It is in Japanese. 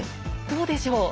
どうでしょう？